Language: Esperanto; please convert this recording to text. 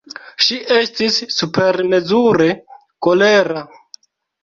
Ŝi estis supermezure kolera!